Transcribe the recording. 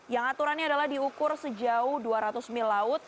yang aturannya adalah diukur sejauh dua ratus mil laut